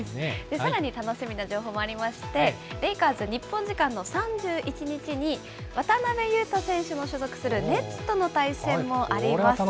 さらに楽しみな情報もありまして、レイカーズ、日本時間の３１日に、渡邊雄太選手の所属するネッツとの対戦もあります。